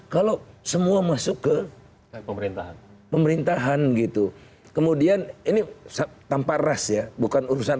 kalau semua masuk ke pemerintahan pemerintahan gitu kemudian ini tanpa ras ya bukan urusan